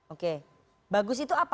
oke bagus itu apa